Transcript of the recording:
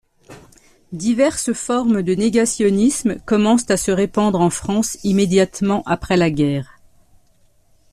Diverses formes de négationnismes commencent à se répandre en France immédiatement après la guerre.